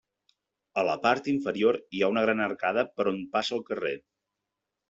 A la part inferior hi ha una gran arcada per on passa el carrer.